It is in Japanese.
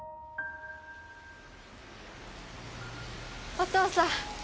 お父さん